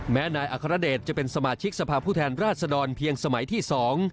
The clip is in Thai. นายอัครเดชจะเป็นสมาชิกสภาพผู้แทนราชดรเพียงสมัยที่สอง